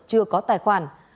chưa có tài khoản